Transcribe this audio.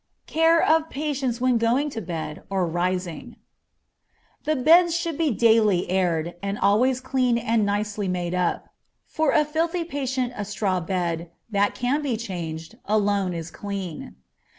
Care of Patients when Going to Bed, or Rising. The beds should be daily aired, and always clean and nicely made up; for a filthy patient a straw bed, that can be changed, alone is clean.